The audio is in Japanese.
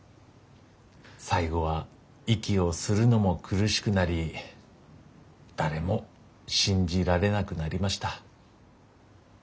最後は息をするのも苦しくなり誰も信じられなくなりました。